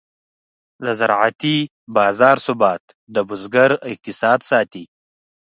د زراعتي بازار ثبات د بزګر اقتصاد ساتي.